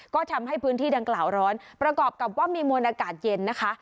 ก็ทำให้พื้นที่ดังกล่าวร้อนประกอบกับว่ามีมวลอากาศเย็นนะคะ